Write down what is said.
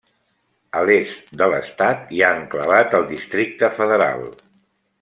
A l'est de l'estat hi ha enclavat el Districte Federal.